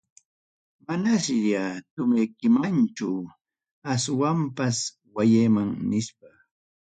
Manasya tumaykimanchú, aswampas waqayman nispa.